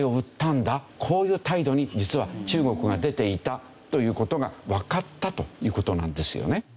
こういう態度に実は中国が出ていたという事がわかったという事なんですよね。